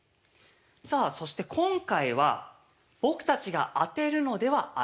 さあそして今回は僕たちが当てるのではありません。